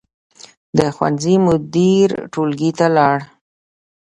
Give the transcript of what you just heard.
د ښوونځي مدیر ټولګي ته لاړ.